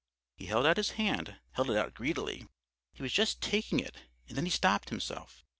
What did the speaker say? He held out his hand, held it out greedily; he was just taking it, and then he stopped himself.